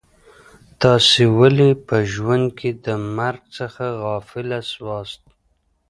تاسي ولي په ژوند کي د مرګ څخه غافله سواست؟